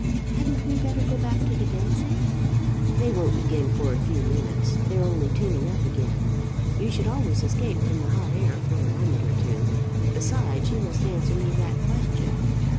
"Hadn't we better go back to the dancing?" "They won't begin for a few minutes. They're only tuning up again. You should always escape from the hot air for a moment or two. Besides, you must answer me that question.